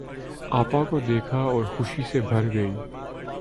آپا کو دیکھا اور خوشی سے بھر گئی۔